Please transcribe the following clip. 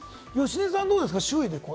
芳根さんはどうですか？